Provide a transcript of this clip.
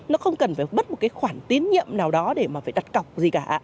nó không cần phải bất một cái khoản tín nhiệm nào đó để mà phải đặt cọc gì cả